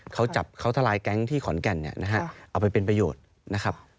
เขาจับเขาทลายแก๊งที่ขอนแก่นเอาไปเป็นประโยชน์